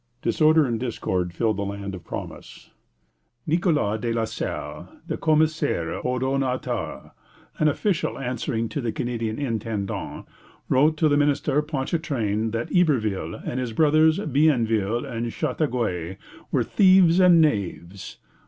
Disorder and discord filled the land of promise. Nicolas de la Salle, the commissaire ordonnateur, an official answering to the Canadian intendant, wrote to the minister Ponchartrain that Iberville and his brothers, Bienville and Chateauguay, were "thieves and knaves."